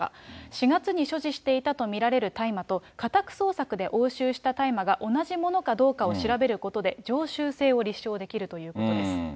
４月に所持していたと見られる大麻と、家宅捜索で押収した大麻が同じものかどうかを調べることで、常習性を立証できるということです。